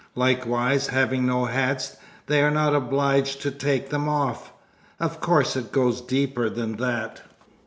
Likewise, having no hats, they are not obliged to take them off. Of course it goes deeper than that.